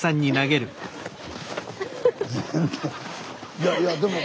いやいやでも。